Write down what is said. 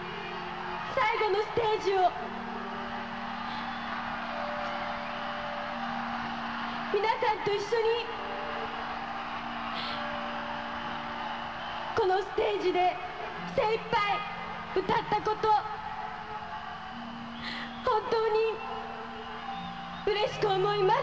最後のステージを皆さんと一緒にこのステージで精いっぱい歌ったこと本当にうれしく思います。